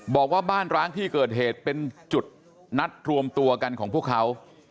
บอกว่าบ้านร้างที่เกิดเหตุเป็นจุดนัดรวมตัวกันของพวกเขา